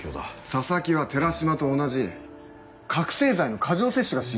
佐々木は寺島と同じ覚醒剤の過剰摂取が死因だぞ。